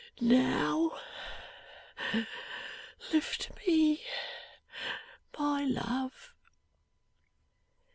NOW lift me, my love.